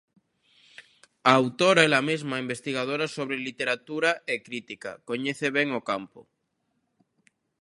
A autora, ela mesma investigadora sobre literatura e crítica, coñece ben o campo.